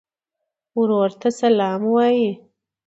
ورور ته سلام وایې.